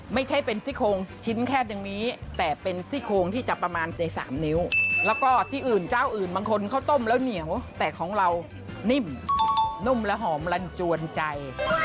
ไม่ใช่เป็นซี่โครงชิ้นแคบอย่างนี้แต่เป็นซี่โคงที่จะประมาณในสามนิ้วแล้วก็ที่อื่นเจ้าอื่นบางคนเขาต้มแล้วเหนียวแต่ของเรานิ่มนุ่มและหอมลันจวนใจ